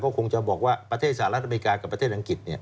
ก็คงจะบอกว่าประเทศสหรัฐอเมริกากับประเทศอังกฤษ